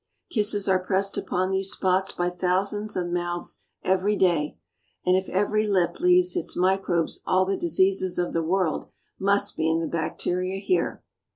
Kisses are pressed upon these spots by thousands of mouths every day, and if every lip leaves its mi crobes all the diseases of the world must be in the bacteria here.